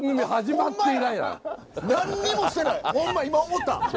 今思った。